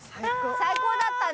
最高だったね。